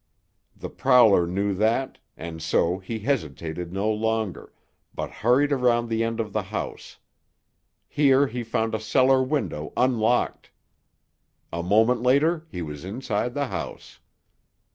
The prowler knew that, and so he hesitated no longer, but hurried around the end of the house. Here he found a cellar window unlocked. A moment later he was inside the house.